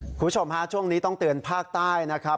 คุณผู้ชมฮะช่วงนี้ต้องเตือนภาคใต้นะครับ